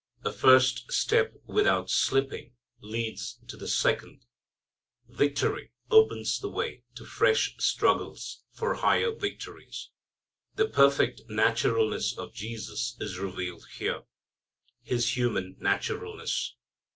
A first step without slipping leads to the second. Victory opens the way to fresh struggles for higher victories. The perfect naturalness of Jesus is revealed here, His human naturalness.